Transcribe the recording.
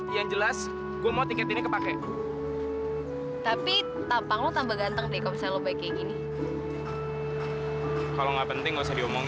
yaudahlah yudah kita berangkat aja bertiga